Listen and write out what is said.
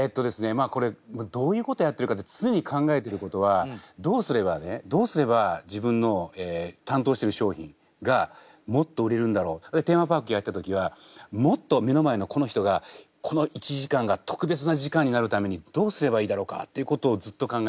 まあこれどういうことやってるかって常に考えてることはどうすればねテーマパークやった時はもっと目の前のこの人がこの１時間が特別な時間になるためにどうすればいいだろうかっていうことをずっと考えます。